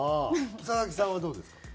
佐々木さんはどうですか？